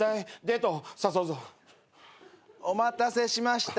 お待たせしました。